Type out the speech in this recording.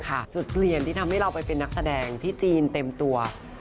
จุดเปลี่ยนที่ทำให้เราไปเป็นนักแสดงที่จีนเต็มตัว